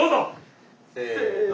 せの。